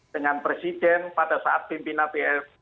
dengan presiden pada saat pimpin aps